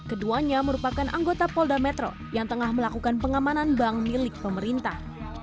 keduanya merupakan anggota polda metro yang tengah melakukan pengamanan bank milik pemerintah